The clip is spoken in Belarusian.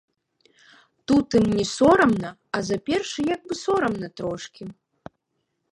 Тут ім не сорамна, а за першы як бы сорамна трошкі.